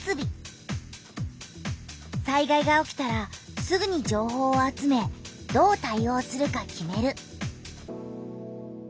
災害が起きたらすぐに情報を集めどう対おうするか決める。